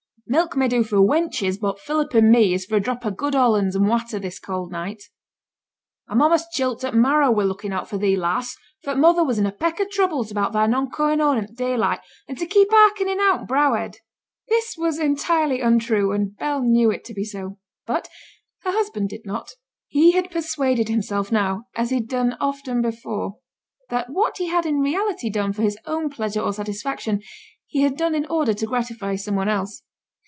Milk may do for wenches, but Philip and me is for a drop o' good Hollands and watter this cold night. I'm a'most chilled to t' marrow wi' looking out for thee, lass, for t' mother was in a peck o' troubles about thy none coining home i' t' dayleet, and I'd to keep hearkening out on t' browhead.' This was entirely untrue, and Bell knew it to be so; but her husband did not. He had persuaded himself now, as he had done often before, that what he had in reality done for his own pleasure or satisfaction, he had done in order to gratify some one else.